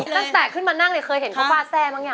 ตั้งแต่ขึ้นมานั่งเลยเคยเห็นเขาวาดแซ่มั้งอย่าง